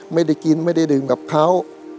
ไม่ได้กินไม่ได้ดื่มกับเขา